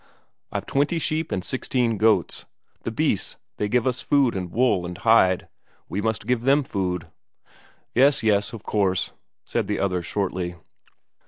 I've twenty sheep and sixteen goats. The beasts, they give us food and wool and hide; we must give them food." "Yes, yes, of course," said the other shortly.